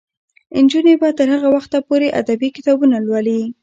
نجونې به تر هغه وخته پورې ادبي کتابونه لولي.